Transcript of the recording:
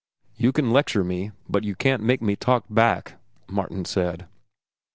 "You can lecture me, but you can't make me talk back," Martin said.